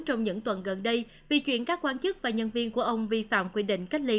trong những tuần gần đây vì chuyện các quan chức và nhân viên của ông vi phạm quy định cách ly